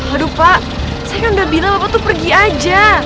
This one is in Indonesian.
aduh pak saya kan nggak bilang aku tuh pergi aja